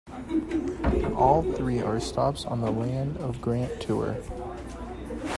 All three are stops on the Land of Grant tour.